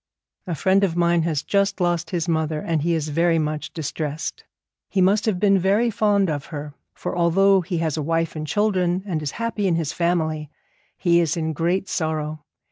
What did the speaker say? A friend of mine has just lost his mother, and he is very much distressed. He must have been very fond of her, for although he has a wife and children, and is happy in his family, he is in great sorrow.